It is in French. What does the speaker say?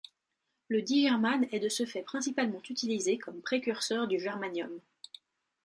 Le digermane est de ce fait principalement utilisé comme précurseur du germanium.